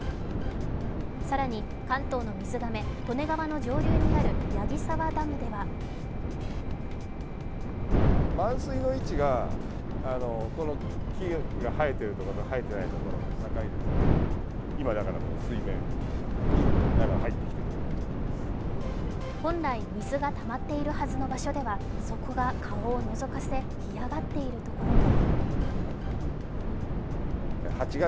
更に関東の水がめ、利根川の上流にある矢木沢ダムでは本来、水がたまっているはずの場所では、底が顔をのぞかせ、干上がっているところも。